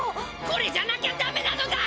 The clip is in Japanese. これじゃなきゃだめなのだ！